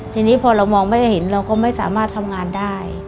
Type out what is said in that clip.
ทีนี้พอเรามองไม่เห็นเราก็ไม่สามารถทำงานได้